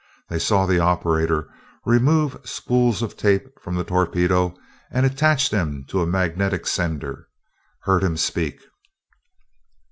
They saw the operator remove spools of tape from the torpedo and attach them to a magnetic sender heard him speak.